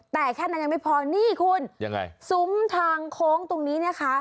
แต่แค่นั้นยังไม่พอนี่คุณยังไงซุ้มทางโค้งตรงนี้นะคะ